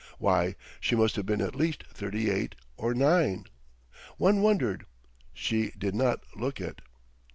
Why, she must have been at least thirty eight or nine! One wondered; she did not look it....